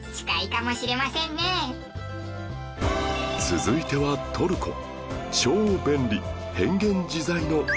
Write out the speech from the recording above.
続いてはトルコ